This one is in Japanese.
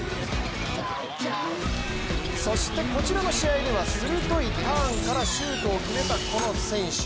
そして、こちらの試合では鋭いターンからシュートを決めたこの選手。